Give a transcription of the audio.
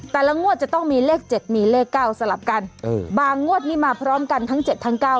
แต่ละงวดจะต้องมีเลข๗มีเลข๙สลับกันบางงวดมีมาพร้อมกันทั้ง๗ทั้ง๙เลย